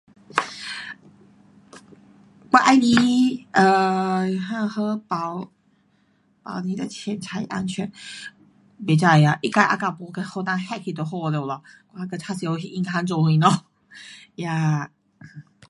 我喜欢 um 何保，保你的钱财安全？不知啊。他自 agak 没被人 hack 去就好了咯。我还被察晓银行做什么？呀